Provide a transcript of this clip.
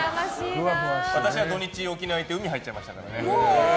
私は土日、沖縄に行って海に入っちゃいましたから。